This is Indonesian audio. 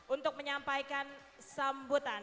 untuk menyampaikan sambutan